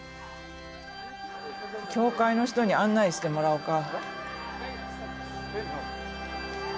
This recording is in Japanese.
教会の人に案内してもらおか。